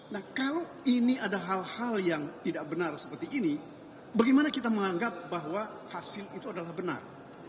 nah kalau ini ada hal hal yang tidak benar seperti ini bagaimana kita menganggap bahwa hasil itu adalah benar